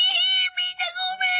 みんなごめんよー！